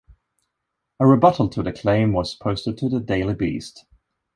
A rebuttal to the claim was posted to The Daily Beast.